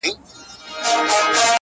صفت زما مه كوه مړ به مي كړې!!